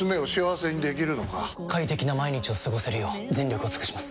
快適な毎日を過ごせるよう全力を尽くします！